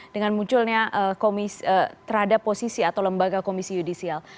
dengan munculnya komis terhadap posisi atau lembaga komisi judicial